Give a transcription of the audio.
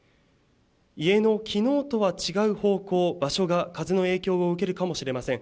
家のきのうとは違う方向、場所が風の影響を受けるかもしれません。